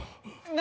何？